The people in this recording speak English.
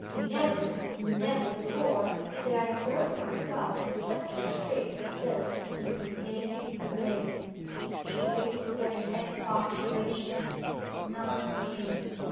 'Never, never before did I serve myself such a trick as this in engaging a maid!' She waited for an expostulation: none came.